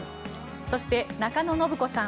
そして、中野信子さん